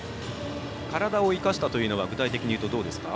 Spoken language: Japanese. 体を生かしたというのは具体的に言うと、どうですか？